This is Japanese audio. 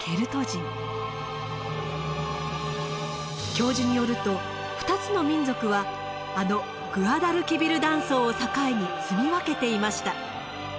教授によると２つの民族はあのグアダルキビル断層を境に住み分けていました。